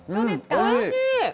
おいしい！